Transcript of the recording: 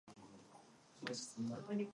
She has many books to her credit.